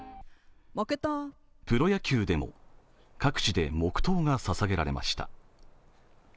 プロ野球でも各地で黙とうがささげられました。